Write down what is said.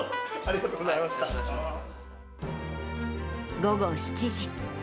午後７時。